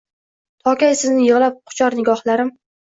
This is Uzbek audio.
Tokay sizni yigʼlab quchar nigohlarim?!